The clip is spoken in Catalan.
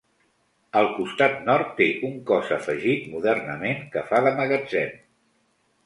Al costat nord té un cos afegit modernament que fa de magatzem.